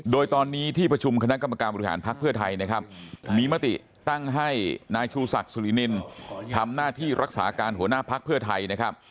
โดยตอนนี้ที่ประชุมคณะกรรมการบริหารภักดิ์เพื่อไทยนะครับมีมติตั้งให้นายชูศักดิ์สุรินินทำหน้าที่รักษาการหัวหน้าพักเพื่อไทยนะครับ